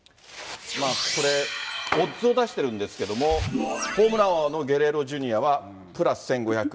これ、オッズを出してるんですけど、ホームラン王のゲレーロＪｒ．はプラス１５００。